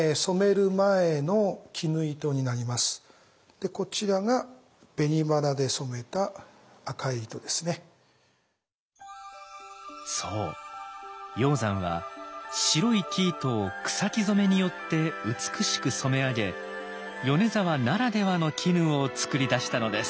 これがこちらがそう鷹山は白い生糸を草木染めによって美しく染め上げ米沢ならではの「絹」をつくり出したのです。